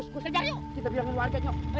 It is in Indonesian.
kejar yuk kita bilangin warganya